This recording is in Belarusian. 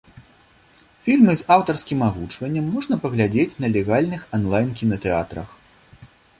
Фільмы з аўтарскім агучваннем можна паглядзець на легальных анлайн-кінатэатрах.